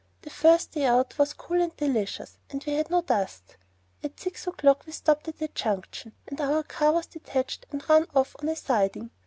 "The first day out was cool and delicious, and we had no dust. At six o'clock we stopped at a junction, and our car was detached and run off on a siding.